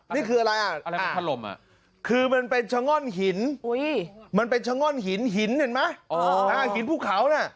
นี่คืออะไรอ่ะคือมันเป็นชง่อนหินหินเห็นมั้ยหินผู้เขาน่ะ